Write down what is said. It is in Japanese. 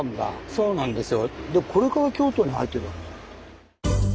そうなんですよ。